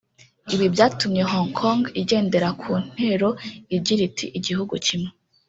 Ibi byatumye Hong Kong igendera ku ntero igira iti “Igihugu Kimwe